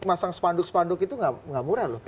masang spanduk spanduk itu gak murah loh